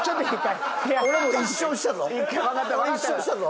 俺１勝したぞ。